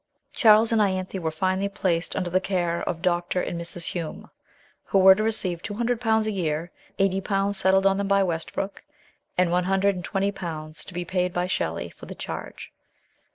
Charles and lanthe were finally placed under the care of Dr. and Mrs. Hume, who were to receive two hundred pounds a year eighty pounds settled on them by Westbrook, and one hundred and tweuty pounds to be paid by Shelley for the charge.